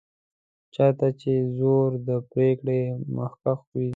چېرته چې زور د پرېکړې محک وي.